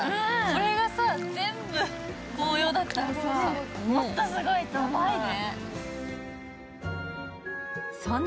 これが全部紅葉だったらさ、もっとすごいと思う。